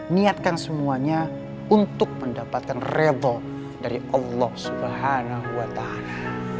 niatkan semuanya untuk mendapatkan redha dari allah subhanahu wa ta'ala